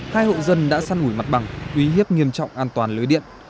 hai hộ dân đã săn ủi mặt bằng uy hiếp nghiêm trọng an toàn lưới điện